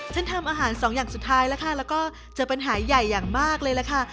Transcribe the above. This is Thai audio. ทำอาหารสองอย่างสุดท้ายแล้วค่ะแล้วก็เจอปัญหาใหญ่อย่างมากเลยล่ะค่ะ